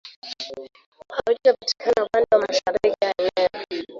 Hupatikana upande wa mashariki ya eneo